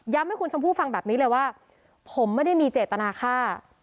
ให้คุณชมพู่ฟังแบบนี้เลยว่าผมไม่ได้มีเจตนาฆ่า